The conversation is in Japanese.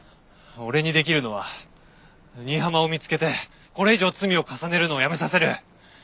俺にできるのは新浜を見つけてこれ以上罪を重ねるのをやめさせる。